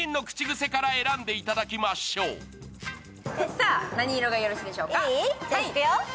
さあ、何色がよろしいでしょうか？